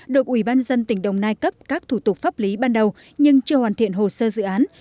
được ủy ban dân tỉnh đồng nai cấp các thủ tục pháp lý ban đầu nhưng chưa hoàn thiện hồ sơ dự án